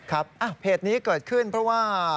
ครับเหตุนี้เกิดขึ้นเพราะว่า